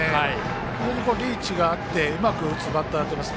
リーチがあってうまく打つバッターだと思います。